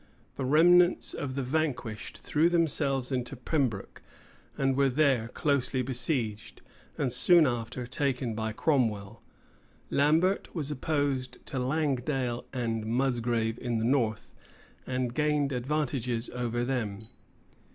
The remnants of the vanquished threw themselves into Pembroke, and were there closely besieged, and soon after taken by Cromwell. Lambert was opposed to Langdale and Musgrave in the north, and gained advantages over them.